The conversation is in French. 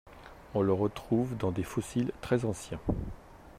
On le retrouve dans des fossiles très anciens.